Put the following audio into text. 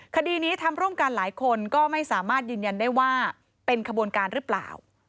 คดีนี้ทำร่วมกันหลายคนก็ไม่สามารถยืนยันได้ว่าเป็นขบวนการหรือเปล่า